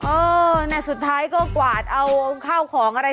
เออน่ะสุดท้ายก็กวาดเอาข้าวของอะไร